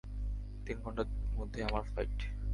তিন ঘন্টার মধ্যে আমার ফ্লাইট।